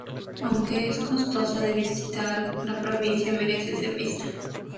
Aunque es costosa de visitar, la provincia merece ser vista.